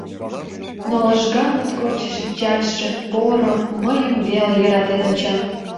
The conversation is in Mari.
Но лыжга моткоч шинчатше, поро, Мыйым веле йӧратен онча.